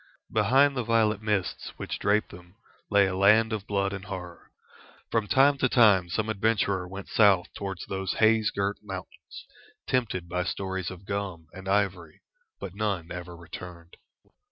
Behind the violet mists which draped them lay a land of blood and horror. From time to time some adventurer went south towards those haze girt mountains, tempted by stories of gum and ivory, but none ever returned.